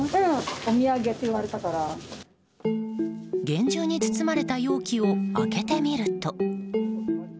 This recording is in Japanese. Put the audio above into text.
厳重に包まれた容器を開けてみると。